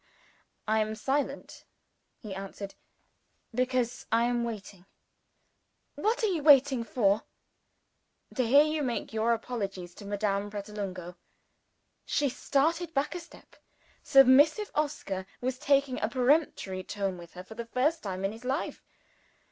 "I am silent," he answered, "because I am waiting." "What are you waiting for?" "To hear you make your apologies to Madame Pratolungo." She started back a step. Submissive Oscar was taking a peremptory tone with her for the first time in his life.